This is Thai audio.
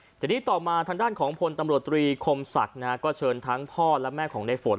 แต่ที่นี่ต่อมาทางด้านของพลตำรวจรีคมสักก็เชิญทั้งพ่อและแม่ของในฝน